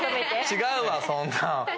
違うわそんなん。